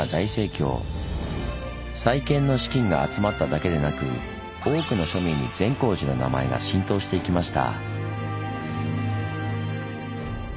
再建の資金が集まっただけでなく多くの庶民に善光寺の名前が浸透していきました。